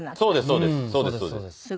そうですそうです。